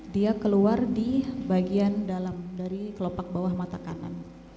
dia keluar di bagian dalam dari kelopak bawah mata kanan